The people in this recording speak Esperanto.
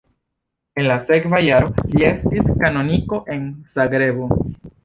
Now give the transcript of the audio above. En la sekva jaro li estis kanoniko en Zagrebo.